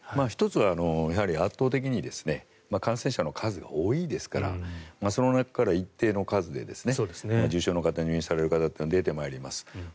１つは圧倒的に感染者の数が多いですからその中から一定の数で重症の方、入院される方は出てまいります。